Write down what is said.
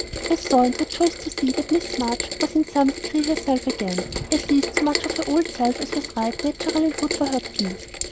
I saw, and rejoiced to see, that Miss March was in some degree herself again; at least, so much of her old self as was right, natural, and good for her to be.